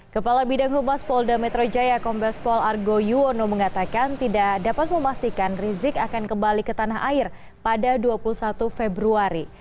kepala bidang humas polda metro jaya kombes pol argo yuwono mengatakan tidak dapat memastikan rizik akan kembali ke tanah air pada dua puluh satu februari